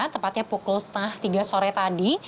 tepatnya pukul setengah tiga sore tadi